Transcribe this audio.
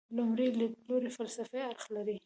لومړی لیدلوری فلسفي اړخ لري.